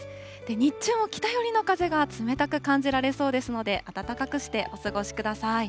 日中も北寄りの風が冷たく感じられそうですので、暖かくしてお過ごしください。